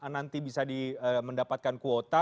nanti bisa mendapatkan kuota